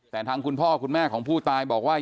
แต่ทางคุณพ่อคุณแม่ของผู้ตายบอกว่า